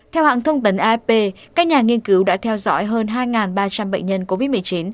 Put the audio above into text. theo hãng thông tấn afp các nhà nghiên cứu đã theo dõi hơn hai ba trăm linh bệnh nhân covid một mươi chín